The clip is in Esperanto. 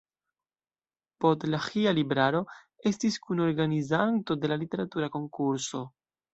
Podlaĥia Libraro estis kunorganizanto de la literatura konkurso.